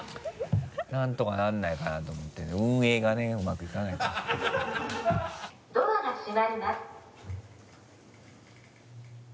なんとかならないかなと思ってね運営がねうまくいかないかもしれない。